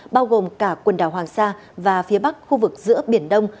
bao gồm cả quần đảo hoàng sa và phía bắc khu vực giữa biển đông